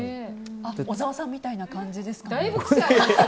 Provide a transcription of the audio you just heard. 小沢さんみたいな感じですかね。